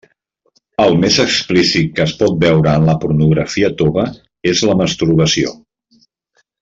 El més explícit que es pot veure en la pornografia tova és la masturbació.